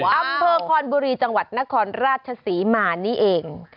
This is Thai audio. อำเภอคอนบุรีจังหวัดนครราชศรีมานี่เอง